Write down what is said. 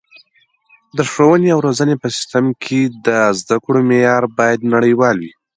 د ښوونې او روزنې په سیستم کې د زده کړو معیار باید نړیوال وي.